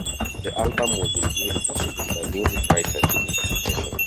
The album was reviewed positively by music writers and publications.